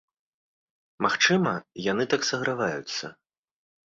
Магчыма, яны так саграваюцца.